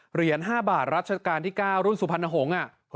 เหรียญ๕บาทรัชกาลที่๙รุ่นสุพรรณหงษ์